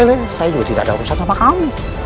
saya juga tidak ada urusan sama kami